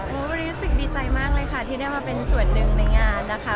วันนี้รู้สึกดีใจมากเลยค่ะที่ได้มาเป็นส่วนหนึ่งในงานนะคะ